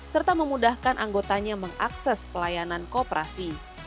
serta memudahkan anggotanya mengakses pelayanan koperasi